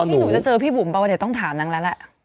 ที่หนูจะเจอพี่บุ๋มเปล่าว่าเดี๋ยวต้องถามนางแล้วล่ะ